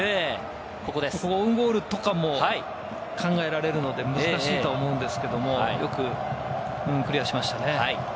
オウンゴールとかも考えられるので難しいとは思うんですけれど、よくクリアしましたね。